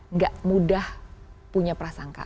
nggak mudah punya prasangka